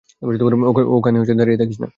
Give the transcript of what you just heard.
ওখানে দাঁড়িয়ে থাকিস না।